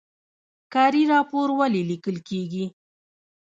کاري راپور ولې لیکل کیږي؟